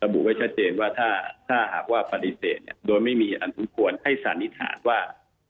ระบุไว้ชัดเจนว่าถ้าหากว่าปฏิเสธโดยไม่มีเหตุผลให้สานิทานว่า